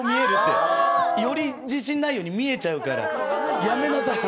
より自信ないように見えちゃうから、やめなさい。